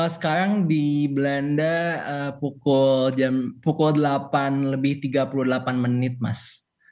sekarang di belanda pukul delapan lebih tiga puluh delapan menit mas